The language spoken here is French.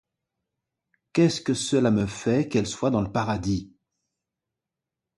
Qu'est-ce que cela me fait, qu'elle soit dans le paradis?